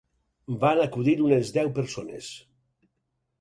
Van acudir unes deu persones.